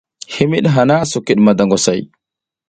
Himid hana asa kid mada ngwasay.